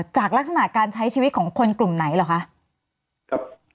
จากลักษณะการใช้ชีวิตของคนกลุ่มไหนเหรอคะ